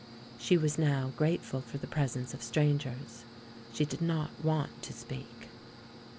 She was now gi ateful for the presence of strangers; she did not want to speak.